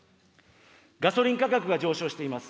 ガソリン価格が上昇しています。